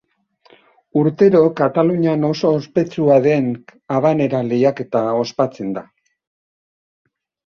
Urtero Katalunian osoa ospetsua den Habanera lehiaketa ospatzen da.